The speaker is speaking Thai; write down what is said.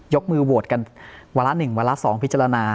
ยกมือโวทกันวันละ๑วันละ๒พิจารณา